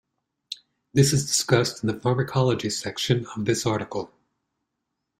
This is discussed in the Pharmacology section of this article.